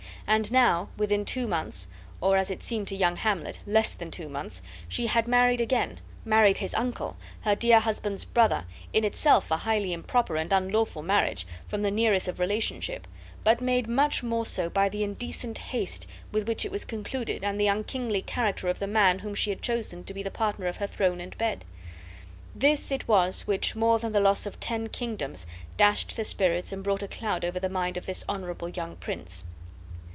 And now within two months, or, as it seemed to young Hamlet, less than two months, she had married again, married his uncle, her dear husband's brother, in itself a highly improper and unlawful marriage, from the nearness of relationship, but made much more so by the indecent haste with which it was concluded and the unkingly character of the man whom she had chosen to be the partner of her throne and bed. This it was which more than the loss of ten kingdoms dashed the spirits and brought a cloud over the mind of this honorable young prince.